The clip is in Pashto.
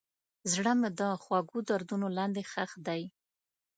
زړه مې د خوږو دردونو لاندې ښخ دی.